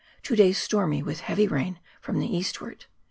Two days stormy, with heavy rain from part. the eastward.